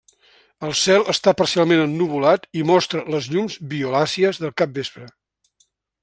El cel està parcialment ennuvolat i mostra les llums violàcies del capvespre.